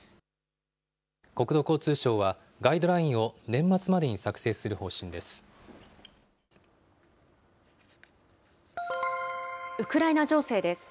国土交通省は、ガイドラインを年末までに作成する方針です。